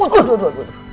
dua dua dua